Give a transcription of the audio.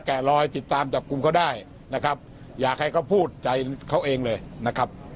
ลอยติดตามจับกลุ่มเขาได้นะครับอยากให้เขาพูดใจเขาเองเลยนะครับ